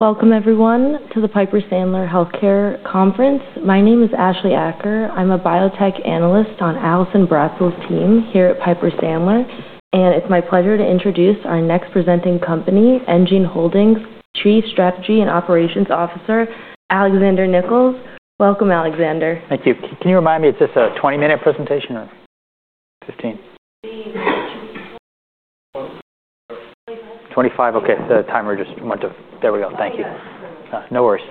Welcome, everyone, to the Piper Sandler Healthcare Conference. My name is Ashleigh Acker. I'm a Biotech Analyst on Allison Bratzel's team here at Piper Sandler. It's my pleasure to introduce our next presenting company, enGene Holdings' Chief Strategy and Operations Officer, Alexander Nichols. Welcome, Alexander. Thank you. Can you remind me, is it just a 20-minute presentation or 15? Twenty-five, okay. The timer just went to—there we go. Thank you. No worries.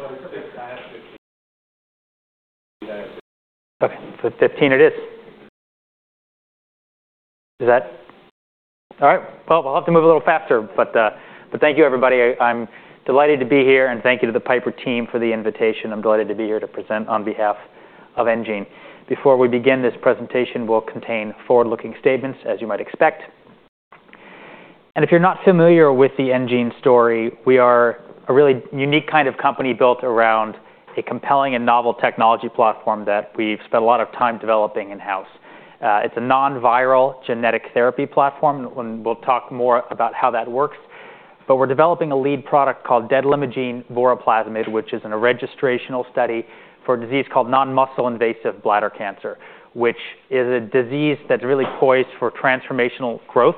Okay. 15 it is. Is that—all right. I'll have to move a little faster. Thank you, everybody. I'm delighted to be here. Thank you to the Piper team for the invitation. I'm delighted to be here to present on behalf of enGene. Before we begin, this presentation will contain forward-looking statements, as you might expect. If you're not familiar with the enGene story, we are a really unique kind of company built around a compelling and novel technology platform that we've spent a lot of time developing in-house. It's a non-viral genetic therapy platform. We'll talk more about how that works. We are developing a lead product called detalimogene voraplasmid, which is a registrational study for a disease called non-muscle invasive bladder cancer, which is a disease that is really poised for transformational growth.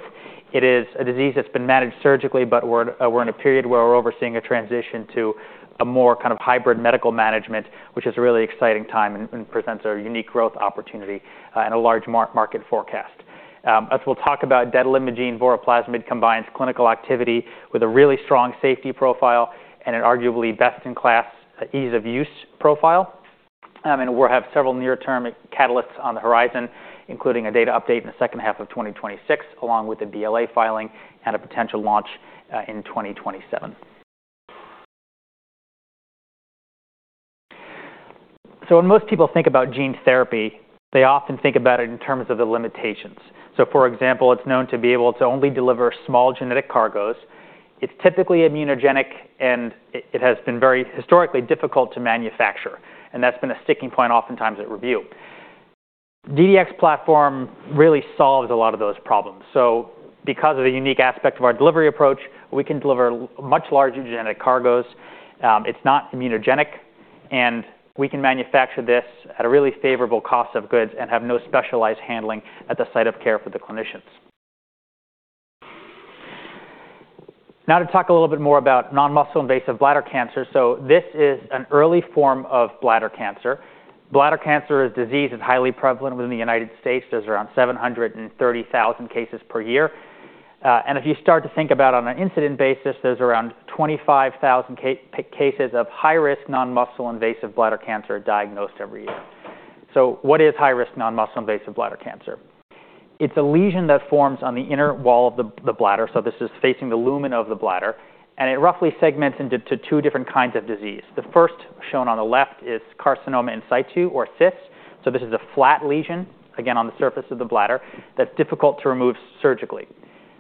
It is a disease that has been managed surgically. We are in a period where we are overseeing a transition to a more kind of hybrid medical management, which is a really exciting time and presents a unique growth opportunity and a large market forecast. As we will talk about, detalimogene voraplasmid combines clinical activity with a really strong safety profile and an arguably best-in-class ease-of-use profile. We will have several near-term catalysts on the horizon, including a data update in the second half of 2026, along with the BLA filing and a potential launch in 2027. When most people think about gene therapy, they often think about it in terms of the limitations. For example, it's known to be able to only deliver small genetic cargoes. It's typically immunogenic. It has been very historically difficult to manufacture. That's been a sticking point oftentimes at review. DDX platform really solves a lot of those problems. Because of the unique aspect of our delivery approach, we can deliver much larger genetic cargoes. It's not immunogenic. We can manufacture this at a really favorable cost of goods and have no specialized handling at the site of care for the clinicians. Now to talk a little bit more about non-muscle invasive bladder cancer. This is an early form of bladder cancer. Bladder cancer is a disease that's highly prevalent within the United States. There's around 730,000 cases per year. If you start to think about it on an incident basis, there's around 25,000 cases of high-risk non-muscle invasive bladder cancer diagnosed every year. What is high-risk non-muscle invasive bladder cancer? It's a lesion that forms on the inner wall of the bladder. This is facing the lumen of the bladder. It roughly segments into two different kinds of disease. The first shown on the left is carcinoma in situ or CIS. This is a flat lesion, again, on the surface of the bladder that's difficult to remove surgically.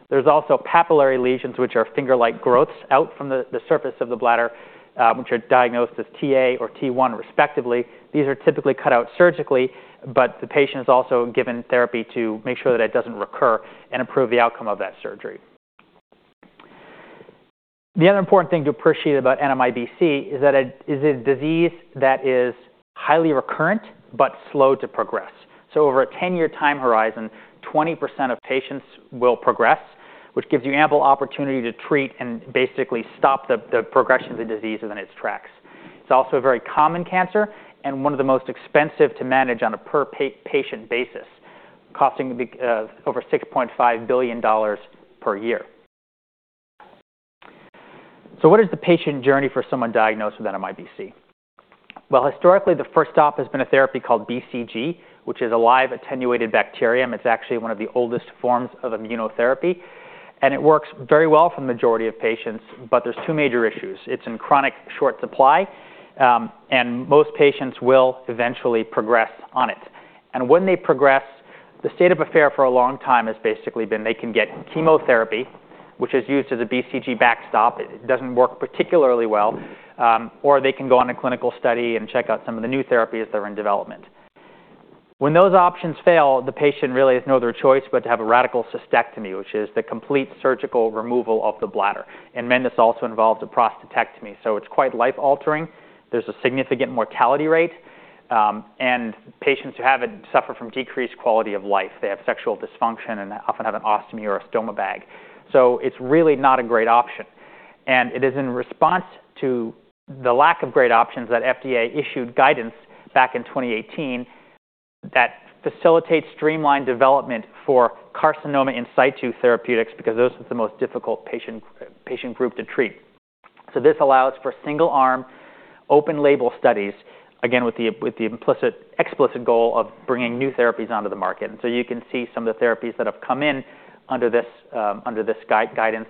There are also papillary lesions, which are finger-like growths out from the surface of the bladder, which are diagnosed as TA or T1, respectively. These are typically cut out surgically. The patient is also given therapy to make sure that it doesn't recur and improve the outcome of that surgery. The other important thing to appreciate about NMIBC is that it is a disease that is highly recurrent but slow to progress. Over a 10-year time horizon, 20% of patients will progress, which gives you ample opportunity to treat and basically stop the progression of the disease within its tracks. It is also a very common cancer and one of the most expensive to manage on a per-patient basis, costing over $6.5 billion per year. What is the patient journey for someone diagnosed with NMIBC? Historically, the first stop has been a therapy called BCG, which is a live attenuated bacterium. It is actually one of the oldest forms of immunotherapy. It works very well for the majority of patients. There are two major issues. It is in chronic short supply. Most patients will eventually progress on it. When they progress, the state of affair for a long time has basically been they can get chemotherapy, which is used as a BCG backstop. It doesn't work particularly well. They can go on a clinical study and check out some of the new therapies that are in development. When those options fail, the patient really has no other choice but to have a radical cystectomy, which is the complete surgical removal of the bladder. This also involves a prostatectomy. It is quite life-altering. There is a significant mortality rate. Patients who have it suffer from decreased quality of life. They have sexual dysfunction and often have an ostomy or a stoma bag. It is really not a great option. It is in response to the lack of great options that the FDA issued guidance back in 2018 that facilitates streamlined development for carcinoma in situ therapeutics because those are the most difficult patient group to treat. This allows for single-arm, open-label studies, again, with the explicit goal of bringing new therapies onto the market. You can see some of the therapies that have come in under this guidance.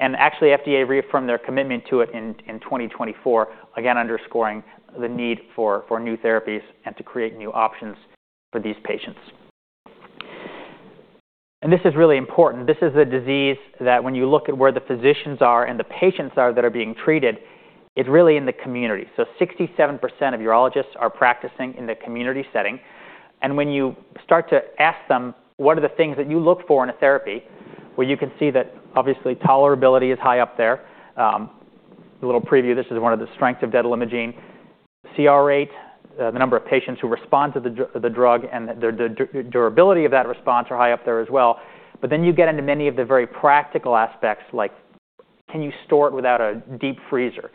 Actually, the FDA reaffirmed their commitment to it in 2024, again, underscoring the need for new therapies and to create new options for these patients. This is really important. This is a disease that when you look at where the physicians are and the patients are that are being treated, it's really in the community. 67% of urologists are practicing in the community setting. When you start to ask them, "What are the things that you look for in a therapy?" you can see that, obviously, tolerability is high up there. A little preview: this is one of the strengths of detalimogene. CR rate, the number of patients who respond to the drug, and the durability of that response are high up there as well. You get into many of the very practical aspects, like can you store it without a deep freezer?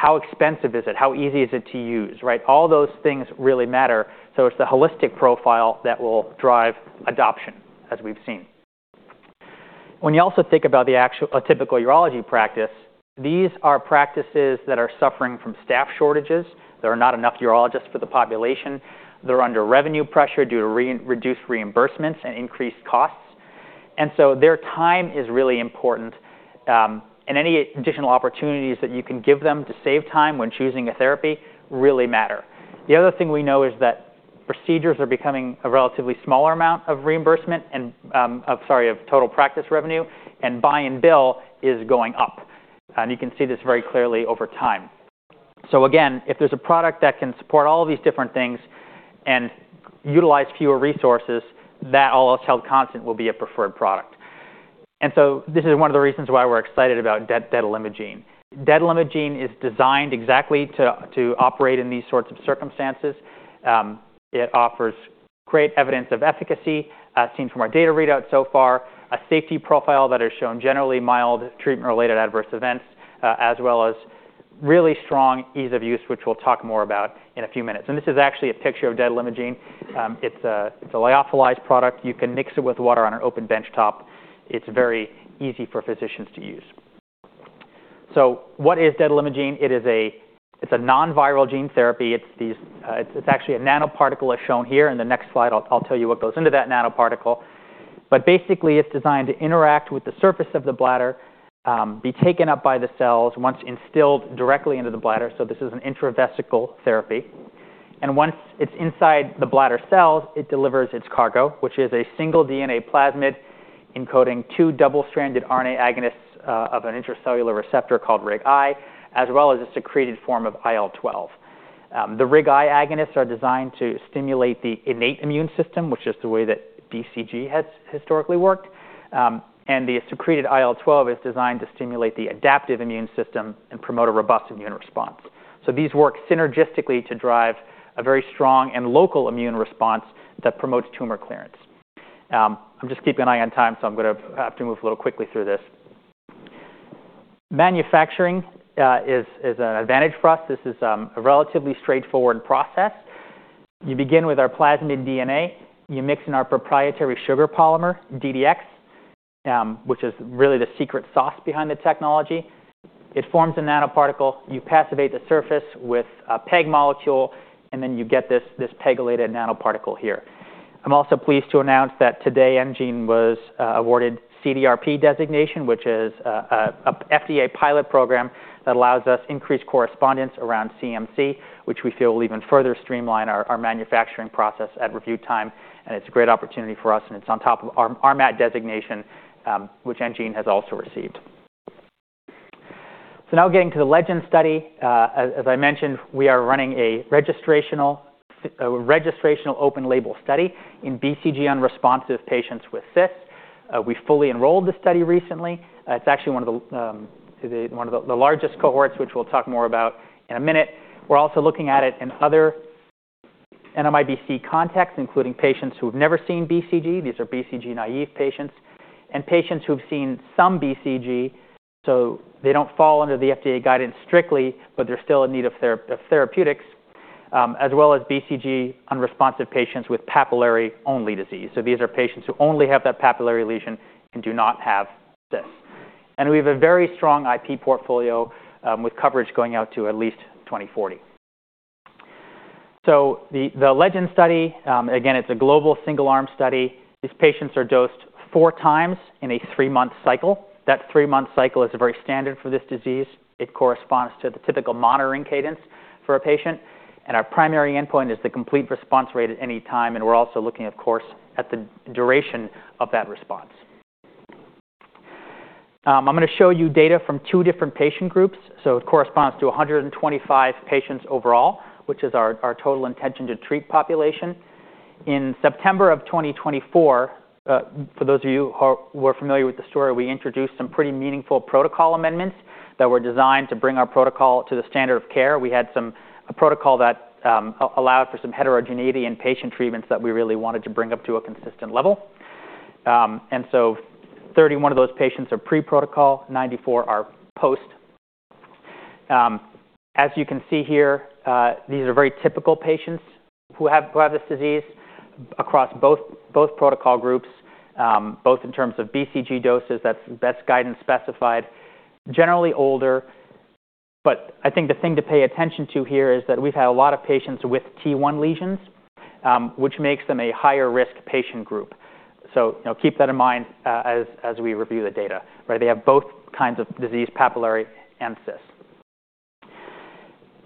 How expensive is it? How easy is it to use? All those things really matter. It is the holistic profile that will drive adoption, as we've seen. When you also think about the typical urology practice, these are practices that are suffering from staff shortages. There are not enough urologists for the population. They're under revenue pressure due to reduced reimbursements and increased costs. Their time is really important. Any additional opportunities that you can give them to save time when choosing a therapy really matter. The other thing we know is that procedures are becoming a relatively smaller amount of reimbursement and, sorry, of total practice revenue. Buy and bill is going up. You can see this very clearly over time. If there is a product that can support all of these different things and utilize fewer resources, that, all else held constant, will be a preferred product. This is one of the reasons why we are excited about detalimogene: detalimogene is designed exactly to operate in these sorts of circumstances. It offers great evidence of efficacy, seen from our data readout so far, a safety profile that has shown generally mild treatment-related adverse events, as well as really strong ease of use, which we'll talk more about in a few minutes. This is actually a picture of detalimogene. It's a lyophilized product. You can mix it with water on an open benchtop. It's very easy for physicians to use. What is detalimogene? It's a non-viral gene therapy. It's actually a nanoparticle, as shown here. In the next slide, I'll tell you what goes into that nanoparticle. Basically, it's designed to interact with the surface of the bladder, be taken up by the cells once instilled directly into the bladder. This is an intravesical therapy. Once it's inside the bladder cells, it delivers its cargo, which is a single DNA plasmid encoding two double-stranded RNA agonists of an intracellular receptor called RIG-I, as well as a secreted form of IL-12. The RIG-I agonists are designed to stimulate the innate immune system, which is the way that BCG has historically worked. The secreted IL-12 is designed to stimulate the adaptive immune system and promote a robust immune response. These work synergistically to drive a very strong and local immune response that promotes tumor clearance. I'm just keeping an eye on time. I'm going to have to move a little quickly through this. Manufacturing is an advantage for us. This is a relatively straightforward process. You begin with our plasmid DNA. You mix in our proprietary sugar polymer, DDX, which is really the secret sauce behind the technology. It forms a nanoparticle. You passivate the surface with a PEG molecule. You get this PEGylated nanoparticle here. I'm also pleased to announce that today, enGene was awarded CDRP designation, which is an FDA pilot program that allows us increased correspondence around CMC, which we feel will even further streamline our manufacturing process at review time. It's a great opportunity for us. It's on top of our RMAT designation, which enGene has also received. Now getting to the LEGEND study. As I mentioned, we are running a registrational open-label study in BCG unresponsive patients with carcinoma in situ. We fully enrolled the study recently. It's actually one of the largest cohorts, which we'll talk more about in a minute. We're also looking at it in other NMIBC contexts, including patients who have never seen BCG. These are BCG naive patients and patients who have seen some BCG. They don't fall under the FDA guidance strictly, but they're still in need of therapeutics, as well as BCG unresponsive patients with papillary-only disease. These are patients who only have that papillary lesion and do not have cysts. We have a very strong IP portfolio with coverage going out to at least 2040. The LEGEND study, again, it's a global single-arm study. These patients are dosed four times in a three-month cycle. That three-month cycle is very standard for this disease. It corresponds to the typical monitoring cadence for a patient. Our primary endpoint is the complete response rate at any time. We're also looking, of course, at the duration of that response. I'm going to show you data from two different patient groups. It corresponds to 125 patients overall, which is our total intention to treat population. In September of 2024, for those of you who are familiar with the story, we introduced some pretty meaningful protocol amendments that were designed to bring our protocol to the standard of care. We had some protocol that allowed for some heterogeneity in patient treatments that we really wanted to bring up to a consistent level. Thirty-one of those patients are pre-protocol. Ninety-four are post. As you can see here, these are very typical patients who have this disease across both protocol groups, both in terms of BCG doses as best guidance specified, generally older. I think the thing to pay attention to here is that we've had a lot of patients with T1 lesions, which makes them a higher-risk patient group. Keep that in mind as we review the data. They have both kinds of disease, papillary and CIS.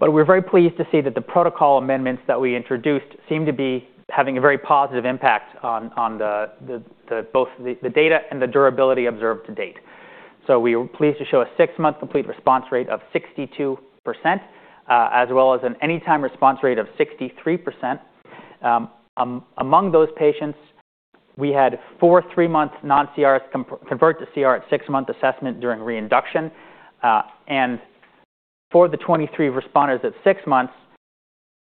We're very pleased to see that the protocol amendments that we introduced seem to be having a very positive impact on both the data and the durability observed to date. We are pleased to show a six-month complete response rate of 62%, as well as an anytime response rate of 63%. Among those patients, we had four three-month non-CRs convert to CR at six-month assessment during reinduction. For the 23 responders at six months,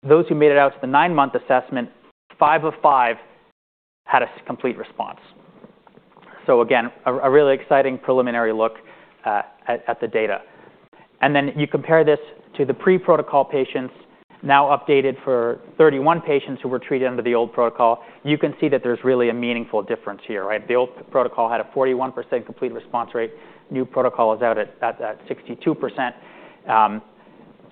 those who made it out to the nine-month assessment, five of five had a complete response. A really exciting preliminary look at the data. You compare this to the pre-protocol patients, now updated for 31 patients who were treated under the old protocol. You can see that there's really a meaningful difference here. The old protocol had a 41% complete response rate. New protocol is out at 62%.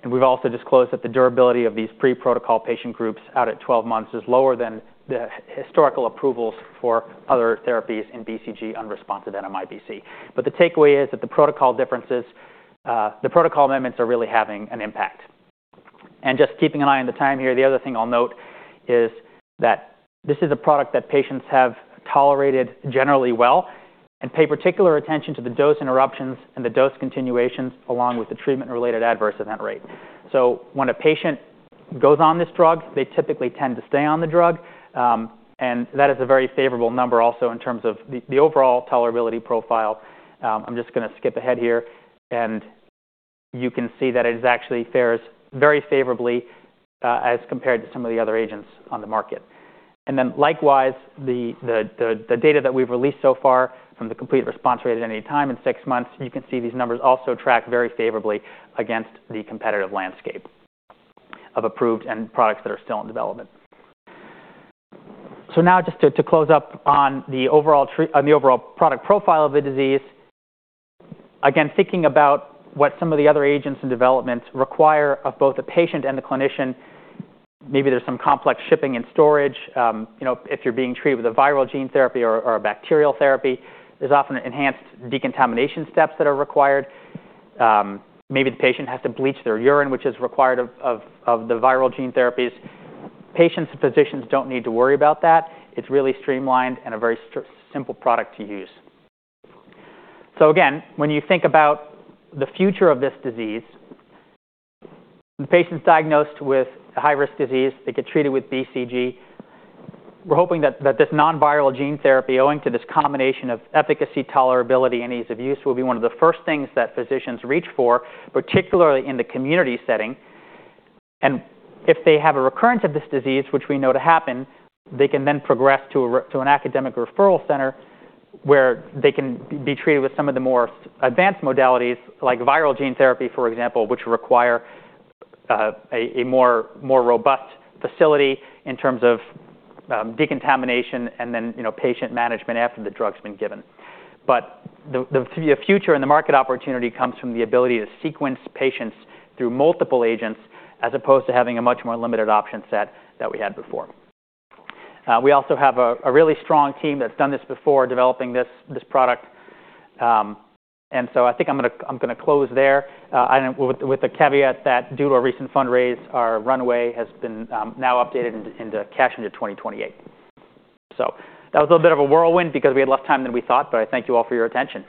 We have also disclosed that the durability of these pre-protocol patient groups out at 12 months is lower than the historical approvals for other therapies in BCG unresponsive NMIBC. The takeaway is that the protocol differences, the protocol amendments are really having an impact. Just keeping an eye on the time here, the other thing I'll note is that this is a product that patients have tolerated generally well and pay particular attention to the dose interruptions and the dose continuations along with the treatment-related adverse event rate. When a patient goes on this drug, they typically tend to stay on the drug. That is a very favorable number also in terms of the overall tolerability profile. I'm just going to skip ahead here. You can see that it actually fares very favorably as compared to some of the other agents on the market. Likewise, the data that we've released so far from the complete response rate at any time in six months, you can see these numbers also track very favorably against the competitive landscape of approved and products that are still in development. Now just to close up on the overall product profile of the disease, again, thinking about what some of the other agents in development require of both the patient and the clinician, maybe there's some complex shipping and storage. If you're being treated with a viral gene therapy or a bacterial therapy, there's often enhanced decontamination steps that are required. Maybe the patient has to bleach their urine, which is required of the viral gene therapies. Patients and physicians don't need to worry about that. It's really streamlined and a very simple product to use. When you think about the future of this disease, the patient's diagnosed with a high-risk disease. They get treated with BCG. We're hoping that this non-viral gene therapy, owing to this combination of efficacy, tolerability, and ease of use, will be one of the first things that physicians reach for, particularly in the community setting. If they have a recurrence of this disease, which we know to happen, they can then progress to an academic referral center where they can be treated with some of the more advanced modalities, like viral gene therapy, for example, which require a more robust facility in terms of decontamination and then patient management after the drug's been given. The future and the market opportunity comes from the ability to sequence patients through multiple agents as opposed to having a much more limited option set that we had before. We also have a really strong team that's done this before, developing this product. I think I'm going to close there with the caveat that due to a recent fundraise, our runway has been now updated into cash into 2028. That was a little bit of a whirlwind because we had less time than we thought. I thank you all for your attention.